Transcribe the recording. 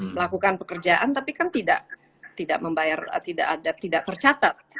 melakukan pekerjaan tapi kan tidak tercatat